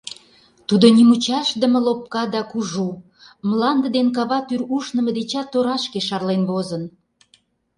Тудо нимучашдыме лопка да кужу, мланде ден кава тӱр ушнымо дечат торашке шарлен возын.